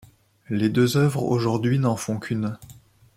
Les deux œuvres aujourd'hui n'en font qu'une.